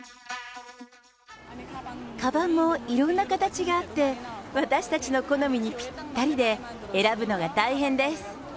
かばんもいろんな形があって、私たちの好みにぴったりで、選ぶのが大変です。